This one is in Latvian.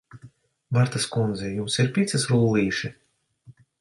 Martas kundze, jums ir picas rullīši?